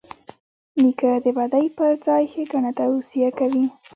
نیکه د بدۍ پر ځای ښېګڼه توصیه کوي.